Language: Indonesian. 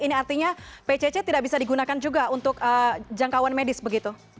ini artinya pcc tidak bisa digunakan juga untuk jangkauan medis begitu